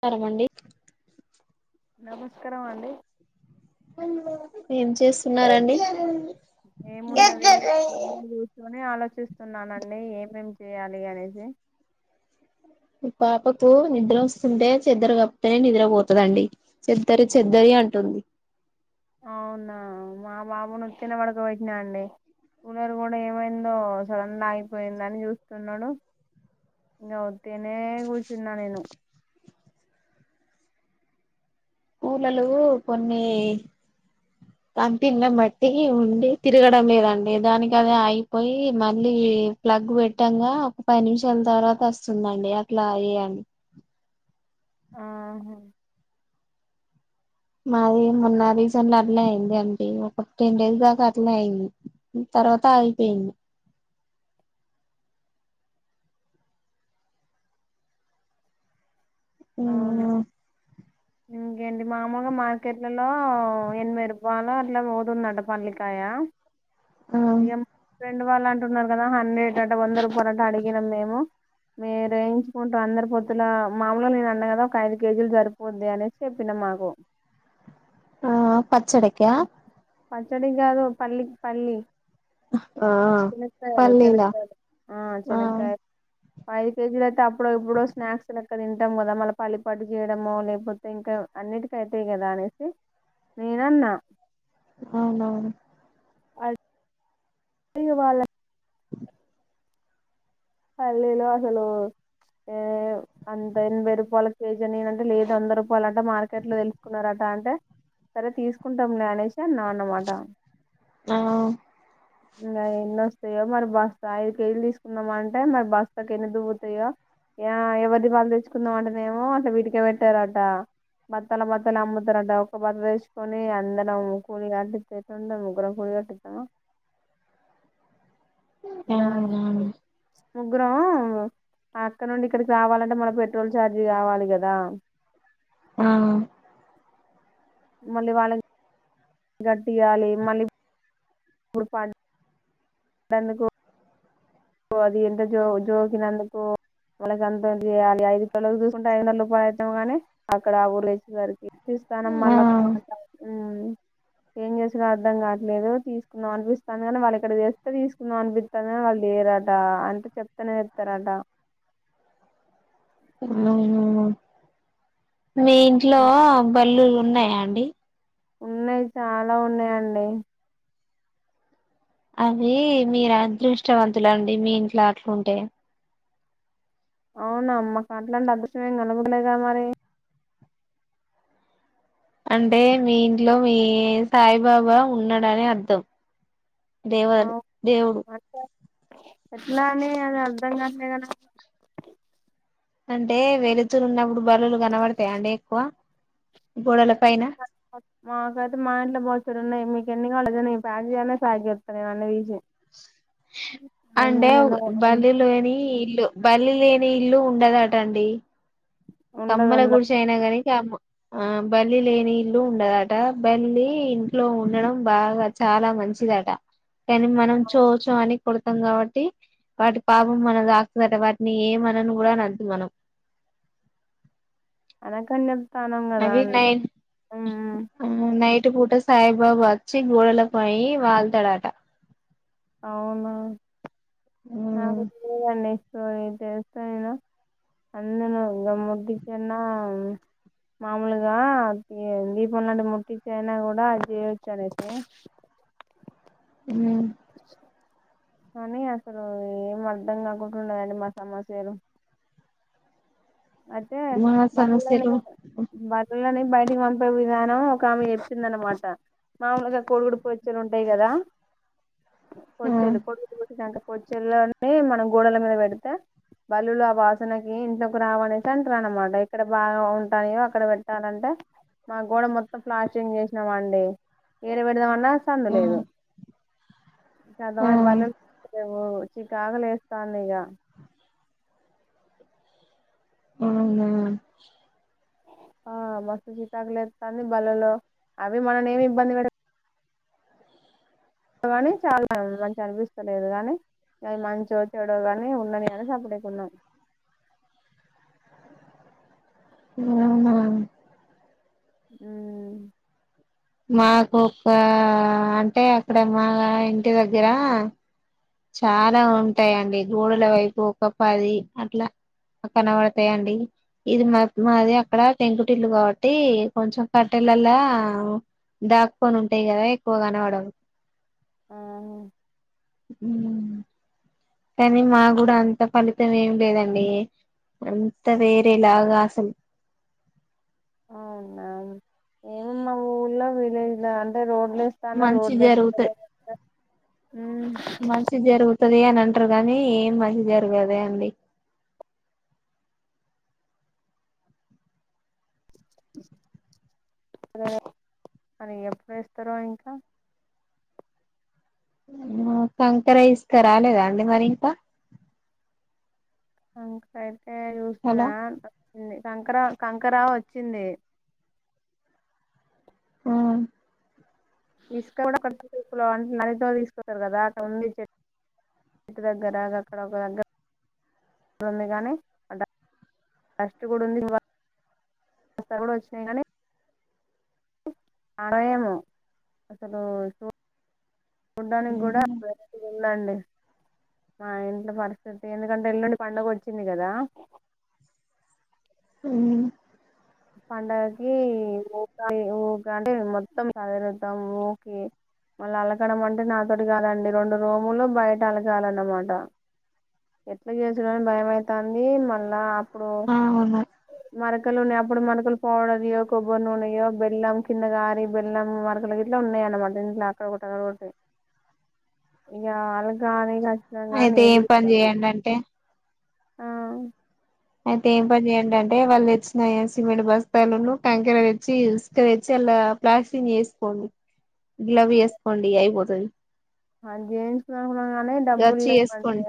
తరమండి నమస్కారం అండి ఏం చేస్తున్నారండి ఏమున్నది మని చూసుని ఆలోచ ఆలోచిస్తున్నానండి ఏమేం చేయాలి అనేసి ఇ పాపకు నిద్ర స్తుంటే సిద్దరు కప్తేనే నిద్రపోతుందండి. చెద్దరి చెద్దరి అంటుంది. అవునా మా బాబునుత్తినబడకబట్నా అండి కూలర్ కూడా ఏమైందో సడన్ గా అయిపోయింద అని చూస్తున్నాడు ఇంకావు తిన కూర్చున్నా నేను పూలలు కొన్ని కపిలను బట్టి ఉండి తిరగడం లేదండి దానికి అది అయిపోయి మళ్ళీ ప్లగ్ పెట్టంగా ఒక పది నిమిషాల తర్వాత వస్తుందండి అట్లా అేయండి ఆహా మాది మొన్న రీజన్లు అట్లే అయింది అంటే ఒక టెన్ డేస్ దాకా అటలే అయింది తర్వాత అయిపోయింది ఆ అవునా ఇంకేంటి మామూగా మార్కెట్లలో ఎనభై రూపాయలు అట్లా పోతుందట పల్లికాయ ఆ ఏ రెండు వాళ్ళు అంటున్నారు కదా హండ్రెడ్ అ వంద రూపాయలు అ అడిగినం మేము మీ వేయించుకుంటాం అందరు పొద్తుల మాూలు నే అ కదా ఒక ఐదు కేజీలు జరిపోంది అనేసి చెప్పిన మాకు ఆ పచ్చడక్కయా పచ్చడి కాదు పల్లికి పల్లి ఆ చినక్కాయలు పల్లీలా చినకాయలు ఆ చినక్కయలు పఐదు కేజీల తప్పు ఇప్పు ఇప్పుడు స్నాక్స్ అక్కడ తింటాం కదా మళ్ళీ పల్లిపాటు చేయడమో లేకపోతే ఇంకా అన్నిటికి అైతాయి కదా అనేసి నేన అన్నా అవునవును అ సవాల పల్లీలో అసలు ఏ అంత ఎనభై రూపాయల కేజీ అనింటే లేదు అందరు వాళ్ళంట మార్కెట్ లో తెలుసుకున్నారట అంటే సరే తీసుకుంటాం జ్ఞానేేష్ కన్నా అన్నమాడం ఆ ఇంకా ఎన్నొస్తాయో మరి బాస్త ఐదుకేళ్ళలు తీసుకున్నాం అంట అంటే మరి బస్తాకు ఎన్ని దువ్వుతాయో ఎవరి దీబాలులు తెచ్చుకుందాం అంటేనేమో అట్లా వీటికే పెట్టారట బత్తాల బత్తాలు అమ్ముతారట ఒ బ తెచ్చుకొని అందరం కూలి కట్టిండా ముగ్గుర కూలి కట్టిస్తామా నా అవునవును ముగ్గురం అక్కడ నుండి ఇక్కడికి కావాలంటే మన పెట్రోల్ ఛార్జ్ కావాలి కదా ఆ మళ్ళీ వాళ్ళ గట్టియాలి మళ్ళీ మడుపా బందుకు అది ఎంత జో జోకినందుకు మనకి ఎంత చేయాలి ఐదు పిల్లలు చూసుకుంటే ఐదు వందల రూపాయ అతంగాని అక్కడ ఆ ఊరు వచ్చే గారికి చూస్తాన మళ్ళ ఆ ఒక మాట్డు ఏం చేసినా అర్థం కావట్లేదు తీసుకుందాం అనిపిస్తాంది కాని వాళ్ళు అక్కడ చేస్తే తీసుకుందాం అనిపిత్తాంది కాని వాళ్ళు చేయరా డా అంటే చెప్తనే చెప్తారట [inaudible] మీ ఇంట్లో బల్లులు ఉన్నాయ అండి ఉన్నాయి చాలా ఉన్నాయండి అవి మీరు అదృష్టవంతుల అండి మీ ఇంట్లో అట్లుంటే అవునా మాకు అట్లాంటి అదృశం ఏం కనపడలేద మరి అంటే మీ ఇంట్లో మీ సాయిబాబా ఉన్నాడని అర్థం దేవ అవు దేవుడు అట్లా దం గాట్లేదనా అంటే వెళుతురు ఉన్నప్పుడు బల్లులు కనబడతాయా అండి ఎక్కువ గోడల పైన మాకయితే మా ఇంట్లో [unintelligible] ఉన్నాయి మీకు ఎన్ని కావాల దని ప్యాక్ జెయ్ అన్న ప్యాక్ జేత్త నేను అన్ని దీసి అంటే బల్లిలోని ఇల్లు బల్లి లేని ఇల్లు ఉండదట అండి ఉండదు కమ్మల గుడిసైయినా గానీ కమ్ము ఆ బల్లి లేని ఇల్లు ఉండదట బల్లి ఇంట్లో ఉండడం బాగా చాలా మంచిదట కానీ మనం చోచో అని కొడతాం కాబట్టి వాటి పాపం మనం దాకుదట వాటిని ఏమనను గూడా అనద్దు మనం అనకన్నం అవి నై నైట్ టు పూట సాయిబాబ వచ్చి గోడలపై వాళ్తాడట అవునా నాకైతే [unintelligible] అండి సో ఇది చేస్తా నేను అందును ఇంకా ముట్టిచ్చన్నా మామూలుగా దీపం లాంటి ముట్టిచ్చయినా అయినా గూడా అది చేయొచ్చు అనేసి హ్మ్ కానీ అసలు ఏం అర్థం కాకుంటున్నది అండి మా సమస్యలు అయితే మహా సమస్యలు బల్లలే బల్ పిల్లని బయటకి పంపే విధానం ఒక ఆమె చెప్పింద అనమాట మామూలుగా కొడుగుడ్డు పోచ్చులు ఉంటాయి కదా ఆ పోచ్చేలు కోడుగుడ్లు కొట్టినాంక పొచ్చేల్లోని మనం గోడల మీద పెడితే బల్లులు ఆ వాసనకి ఇంట్లో రావనేసి అంటరా అనమాట ఇక్కడ బాగా ఉంటాయో అక్కడ పెట్టాలంటే మా గోడ మొత్తం ప్లాస్టింగ్ చేసినామండి ఏడ పెడదామన్నా సందు ఆ లేదు ఇ చద ఆ బల్లు [unintelligible] చికాగు లేస్తాంది ఇగ అవునా ఆ మస్తు చికాకు లేత్తాంది బల్లులో అవి మనల్ని ఏమి ఇబ్బంది పెడ నీ చాలా మంచిగా అనిపిస్తలేదు గానీ అది మంచో చెడో గాని ఉండని అని సప్పుడేకున్నాం అవునా హ్మ్ మాకోక్క అంటే అక్కడ మా ఇంటి దగ్గరా చాలా ఉంటాయిండి గోడల వైపు ఒక పది అట్లా కనబడతాయిండి ఇది మా మాది అక్కడ పెంకుటిల్లు కాబట్టి కొంచెం కట్టెలలా దాక్కకొని ఉంటాయి కదా ఎక్కువ కనవడం ఆ కానీ మా కూడా అంత ఫలితం ఏమి లేదండి అంత వేరేలాగా అసలు అవునా ఏమమ్ మా ఊర్లో విలేజ్ లో అంటే రోడ్ స్థాన మంచి రోడ్ మీ జరుగుతది వస్తుది అని అంటారు కాగానీ ఏం మంచి జారు కదా అండి అదే అని ఎప్పుడు వేస్తారో ఇంకా కంకర ఇసుక రాలేదా అండి మరి ఇంకా అ సర అే చూసిన హలో నచ్చింది కంకరా కంకరా వచ్చింది ఆ తీసుకూపులో అంటే నదితో తీసుకతారు కదా అక్కడ ఉంది చెట్టు చెట్టు దగ్గర అక్కడ ఒక దగ్గర ఉంది కానీ స్ట్ కూడా ఉంది స్తలు కూడా వచ్చినాయి కానీ ఆనయము అసలు సూ చూడ్డానికి కూడా వెళ్ళండి మా ఇంట్లో పరిస్థితి ఎందుకంటే ఇల్లుండి పండగ వచ్చింది కదా అ పండగకి ఊకా ఊక అంటే మొత్తం చదిరుతాం ఊకి మళ్ళీ అలకడం అంటే నాతోటి కాదండి రెండు రూములు బయట అలగాాలన్నమాట ఎట్లా చేసుడంని భయమవుతుంది మళ్ళా అప్పుడు అవును మర క ఇప్పుడు మనకలు పౌడర్యో కొబ్బరి నూనెయో బెల్లం కింద గారి బెల్లం మనకలు ఇట్లా ఉన్నాయి అన్నమాట ఇీంట్లో అక్కడ ఒక ఒకటి ఇకలా కానీ ఇ అయితే ఏం పని చేయడి అంటే ఆ అయితే ఏం పని ఏంటంటే వాళ్ళు తెచ్చిన సిమెంట్ బస్తాలను కంకర తెచ్చి ఉసుక తెచ్చి అలా ప్లాస్టిక్ వేసుకోండి ఇిలాబ వేస్కోండి అయిబట్ స జేన్స్ అనుకున్నా కానీ డబ్బులు గచ్చి లేవండి చేసుకోండి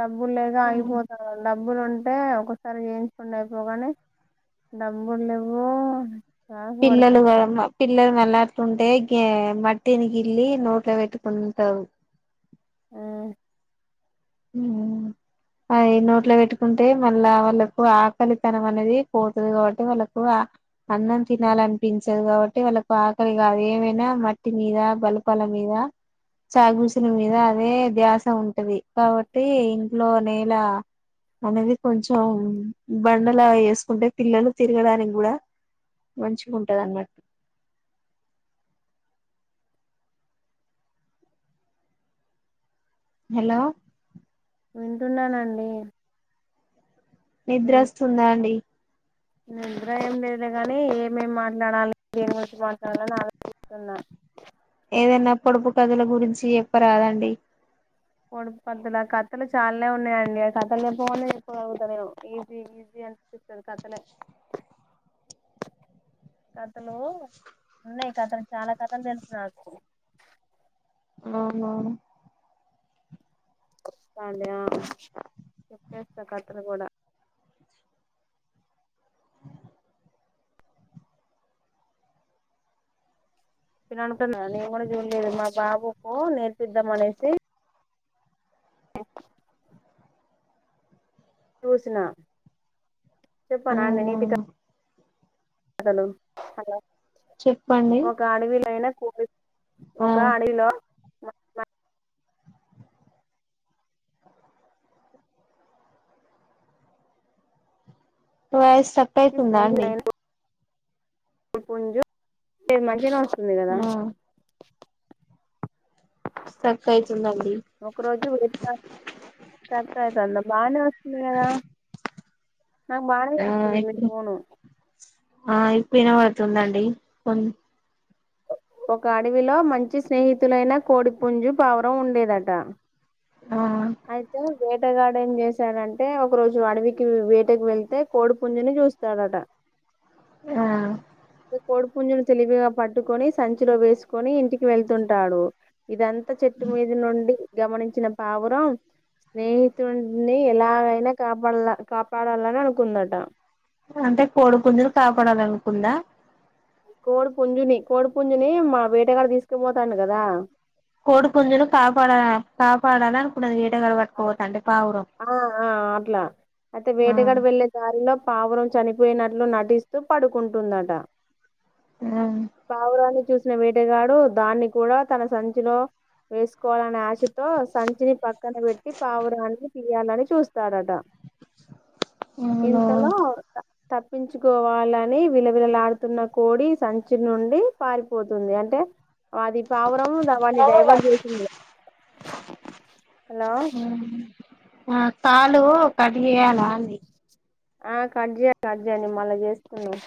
డబ్బులు లేక అయిపోతారు డబ్బులు ఉంటే ఒకసారి చేయించుకోండి అయిపోగానీ డబ్బులు లేవు చిరాకు పిల్లుగా పడుతున్నాయి పిల్లు మలా ంటే గ మట్టిని గిల్లి నోట్ల పెట్టుకుంటవు్ ఆ అది నోట్లో పెట్టుకుంటే మళ్ళా వాళ్ళకు ఆకలితనం అనేది పోతుంది కాబట్టి వాళ్ళకు అన్నం తినాలనిపించదు కాబట్టి వాళ్ళకు ఆకలి కాదు ఏమైనా మట్టి మీద బలపాల మీద చాగుూసిన మీద అదే ధ్యాస ఉంటది కాబట్టి ఇంట్లో నేల అనేది కొంచెం బండలా వేసుకుంటే పిల్లలు తిరగడానికి కూడా మంచిగుంటది అన్నమాట హలో వింటున్నానండి నిద్రస్తుందా అండి నే అభ్రాయం లేదు గాని ఏమేం మాట్లాడాలి ఏమి వంచిి మాట్లాడాలని ఆలోచిస్తున్నా ఏదైనా పొడుపు కదుల గురించి చెప్పరాదండి పడు పద్దలు ఆ కథలు చాలనే ఉన్నాయంండి ఆ కథలు చెప్పకుండా చెప్పగలుగుతంది నేను ఈజీ ఈజీ అనిపిస్తుంది కథలే కథలు ఉన్నాయి కథలు చాలా కథలు తెలుసు నా అవున రాండి ఆ చెప్పేస్తా కథలు కూడా నేను అనుకున్నా నేను కూడా జూనియర్ బాబుకో నేర్పిద్దాం అనేసి ఓ ట్యూషన చెప్పనా న నీది కా అవునవును హలో చెప్పండి ఒక అడవిలో అయినా కో ఒక ఆ అడవిలో న వాయిస్ సర్ప్రైజ్ ఉందా అండి స్నేహితులైన పుంజు నేను మనిషి అక్క వుంది గాదా ఆ స్ట్రక్ అయితుందండి ఒక రోజు [unintelligible] కట్ అయితంది బాగానే వస్తుంది కదా నాకు బాగానే ఆ వస్తుంది మీ ఇప్పుడు ఫోను ఆ ఇప్పు వినబడుతుందండి ఫోన్ ఒక అడవిలో మంచి స్నేహితులైన కోడి పుంజు పావురం ఉండేదట ఆ అయితే వేటగాడు ఏం చేశాడంటే ఒక రోజు అడవికి వేటకు వెళ్తే కోడి పుంజుని చూస్తాడట ఆ కోడి పుంజును తెలివిగా పట్టుకొని సంచిలో వేసుకొని ఇంటికి వెళ్తుంటాడు ఇదంతా చెట్టు మీద నుండి గమనించిన పావురం స్నేహితుడిని ఎలాగైనా కాపాడ కాపాడాలని అనుకుందట అంటే కోడి పుంజుని కాపాడాలి అను ఉందా కోడి పుంజుని కోడి పుంజుని మా వేట గాడు తీసుకుపోతాండు కదా కోడు పుంజును కాపాడ కాపాడాల అనుకున్నది వేటగాడు పట్టుకపోతాంటే పావురం ఆ ఆ అట్లా అయితే ఆ వేటగాడు వెళ్ళే దారిలో పావురం చనిపోయినట్లు నటిస్తూ పడుకుంటుందట ఆ పావురాన్ని చూసిన వేటగాడు దాన్ని కూడా తన సంచిలో వేసుకోవాలనే ఆశతో సంచిని పక్కన పెట్ ట్టి పావురాన్ని తీయాలని చూస్త స్తాడట అవును ఇంతలో తప్పించుకోవాలని విలవిల లాడుతున్న కోడి సంచి నుండి పారిపోతుంది అంటే అది పావురం దా వాటిని డైవర్ట్ చేసింది హలో అ కాలు కట్ చేయాలండి ఆ కట్ చెయ్ కట్ చెయ్ నేను మళ్ళీ చేసుకుందాం